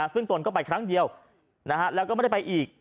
ซึ่งตนก็ไปครั้งเดียวแล้วก็ไม่ได้ไปอีก